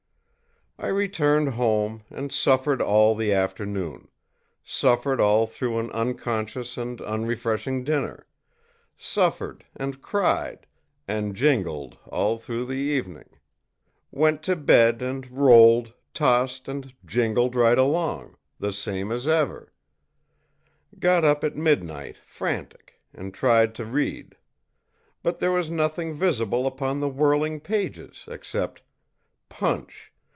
I returned home, and suffered all the afternoon; suffered all through an unconscious and unrefreshing dinner; suffered, and cried, and jingled all through the evening; went to bed and rolled, tossed, and jingled right along, the same as ever; got up at midnight frantic, and tried to read; but there was nothing visible upon the whirling page except ìPunch!